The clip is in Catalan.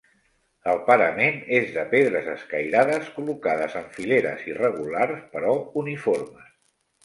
El parament és de pedres escairades col·locades en fileres irregulars però uniformes.